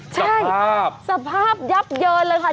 ใช่สภาพยับเยินเลยค่ะ